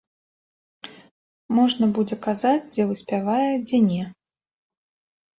Можна будзе казаць, дзе выспявае, дзе не.